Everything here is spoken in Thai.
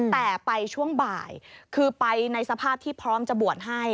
แต่ไปช่วงบ่ายคือไปในสภาพที่พร้อมจะบวชให้